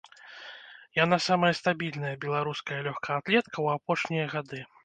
Яна самая стабільная беларуская лёгкаатлетка ў апошнія гады.